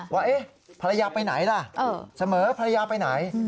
ว่าภรรยาไปไหนล่ะเสมอภรรยาไปไหน